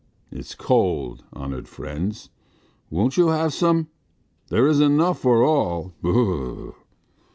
... It's cold, honoured friends. ... Won't you have some? There is enough for all.